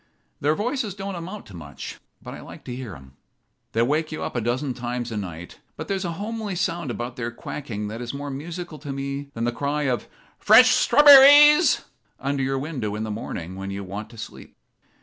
Their voices don't amount to much, but I like to hear 'em. They wake you up a dozen times a night, but there's a homely sound about their quacking that is more musical to me than the cry of 'Fresh strawber rees!' under your window in the morning when you want to sleep.